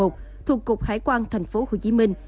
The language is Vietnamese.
thuộc cục hải quan tp hcm